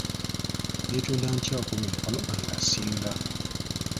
Neetonda ntya okulumya mukwano gwange asinga?